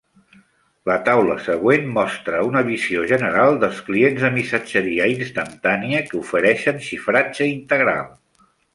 La taula següent mostra una visió general dels clients de missatgeria instantània que ofereixen xifratge integral.